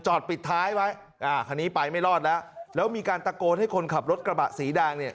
ปิดท้ายไว้อ่าคันนี้ไปไม่รอดแล้วแล้วมีการตะโกนให้คนขับรถกระบะสีแดงเนี่ย